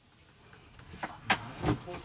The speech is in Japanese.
あなるほど。